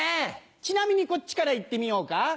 ちなみにこっちからいってみようか。